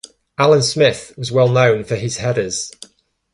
Alan Smith was well known for his headers.